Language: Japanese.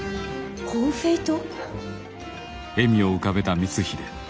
コンフェイト？